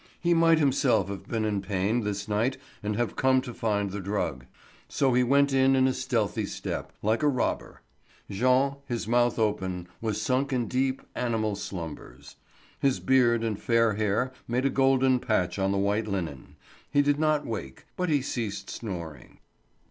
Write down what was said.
He might himself have been in pain this night and have come to find the drug. So he went in with a stealthy step, like a robber. Jean, his mouth open, was sunk in deep, animal slumbers. His beard and fair hair made a golden patch on the white linen; he did not wake, but he ceased snoring.